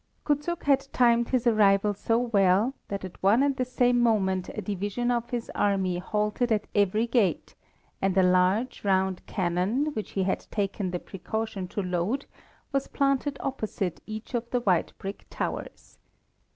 Kuczuk had timed his arrival so well that at one and the same moment a division of his army halted at every gate, and a large round cannon, which he had taken the precaution to load, was planted opposite each of the white brick towers.